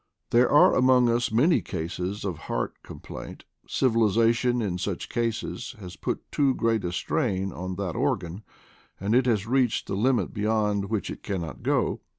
There are among us many cases of heart complaint; civilization, in such cases, has put too great a strain on that or gan, and it has reached the limit beyond which it cannot go.